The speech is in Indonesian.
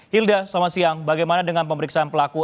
hilda selamat siang bagaimana dengan pemeriksaan pelaku